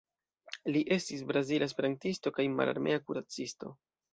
Li estis brazila esperantisto kaj mararmea kuracisto.